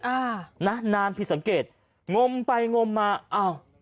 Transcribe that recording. อ่านะนานผิดสังเกตงมไปงมมาอ้าว